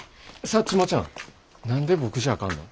サッチモちゃん。何で僕じゃあかんの。